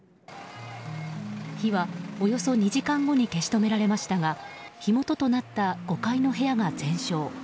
火はおよそ２時間後に消し止められましたが火元となった５階の部屋が全焼。